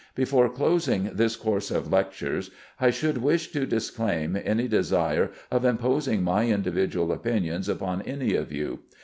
Before closing this course of lectures, I should wish to disclaim any desire of imposing my individual opinions upon any of you.